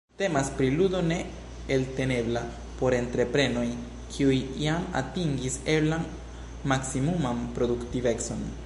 Temas pri ludo ne eltenebla por entreprenoj, kiuj jam atingis eblan maksimuman produktivecon.